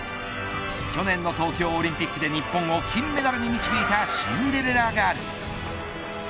去年の東京オリンピックで日本を金メダルに導いたシンデレラガール。